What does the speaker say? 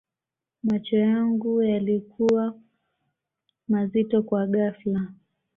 macho yangu yalikuwa mazito kwa ghafla